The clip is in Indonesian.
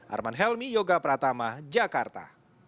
arman helmi yoga pratama jakarta